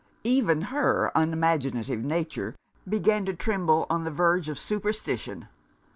Even her unimaginative nature began to tremble on the verge of superstition.